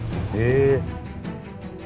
へえ。